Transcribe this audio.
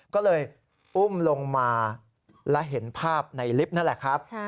ก็เลยอุ้มลงมาและเห็นภาพในลิฟต์นั่นแหละครับ